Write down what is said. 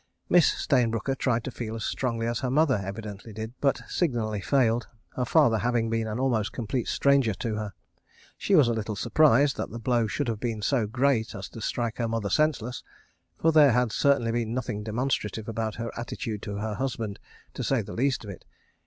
Miss Stayne Brooker tried to feel as strongly as her mother evidently did, but signally failed, her father having been an almost complete stranger to her. She was a little surprised that the blow should have been so great as to strike her mother senseless, for there had certainly been nothing demonstrative about her attitude to her husband—to say the least of it.